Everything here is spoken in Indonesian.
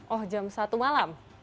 oh jam satu malam